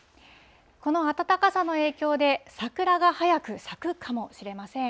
この暖かさの影響で、桜が早く咲くかもしれません。